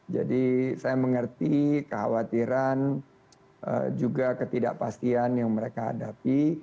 jadi saya mengerti kekhawatiran juga ketidakpastian yang mereka hadapi